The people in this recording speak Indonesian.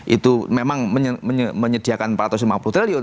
itu memang menyediakan empat ratus lima puluh triliun